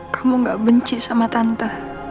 kamu gak benci sama tante